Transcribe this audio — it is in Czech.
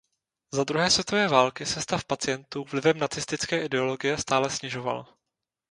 Za druhé světové války se stav pacientů vlivem nacistické ideologie stále snižoval.